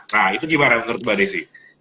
nah itu gimana menurut mbak desi